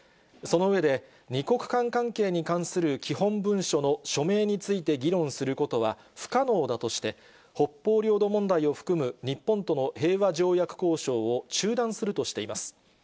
その上で、２国間関係に関する基本文書の署名について議論することは不可能だとして、北方領土問題を含む日本との平和条約交渉を中断するとしています。